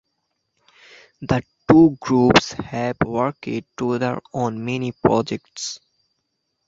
The two groups have worked together on many projects.